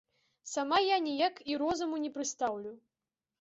Сама я ніяк і розуму не прыстаўлю.